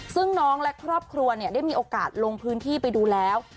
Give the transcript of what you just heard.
ซึ่งน้องและครอบครัวได้มีโอกาสลงพื้นที่ไปดูแล้ว